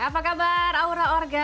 apa kabar aura morgan